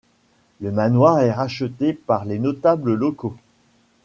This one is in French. Le manoir est racheté par des notables locaux.